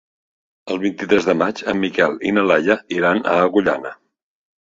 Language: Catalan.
El vint-i-tres de maig en Miquel i na Laia iran a Agullana.